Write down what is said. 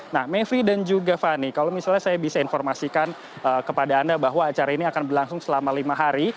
nah mevri dan juga fani kalau misalnya saya bisa informasikan kepada anda bahwa acara ini akan berlangsung selama lima hari